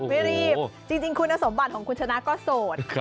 ไม่รีบจริงคุณสมบัติของคุณชนะก็โสด